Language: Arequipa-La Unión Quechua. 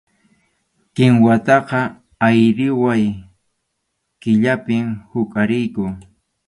Kinwataqa ayriway killapim huqariyku.